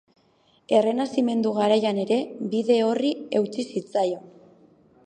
Errenazimentu garaian ere bide horri eutsi zitzaion.